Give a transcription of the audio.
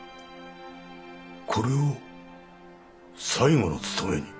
これを最後の仕事に？